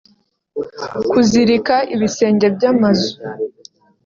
kuzirika ibisenge by’amazu